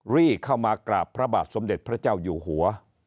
รีเข้ามากราบพระบาทสมเด็จพระเจ้าอยู่หัว